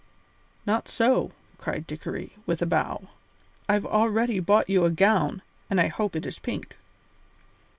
"Not so," cried Dickory, with a bow; "I've already bought you a gown, and I hope it is pink."